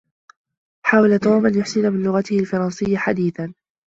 حاول توم أن يحسن من لغته الفرنسية حديثا.